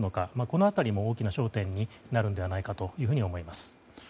この辺りも大きな焦点になるのではないかと思います。